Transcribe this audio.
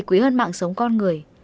quỹ hơn mạng sống con người